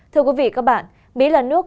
thưa quý vị các bạn mỹ là nước